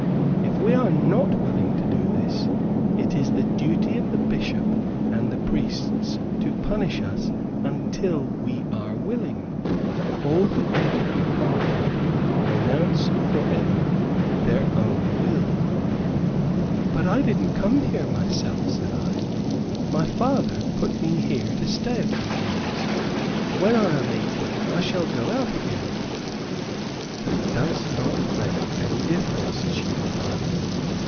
If we are not willing to do this, it is the duty of the Bishop and the priests to punish us until we are willing. All who enter a convent renounce forever their own will." "But I didn't come here myself," said I; "my father put me here to stay a few years. When I am eighteen I shall go out again." "That does not make any difference," she replied.